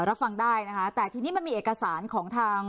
รับฟังได้นะคะแต่ทีนี้มันมีเอกสารของทาง